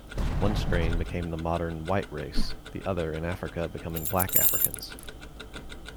One strain became the modern "white" race, the other in Africa becoming black Africans.